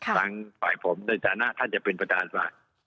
ทางฝ่ายผมในสถานะถ้าจะเป็นประชาชนศาสตร์